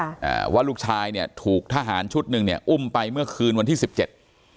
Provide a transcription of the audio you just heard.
อ่าว่าลูกชายเนี้ยถูกทหารชุดหนึ่งเนี้ยอุ้มไปเมื่อคืนวันที่สิบเจ็ด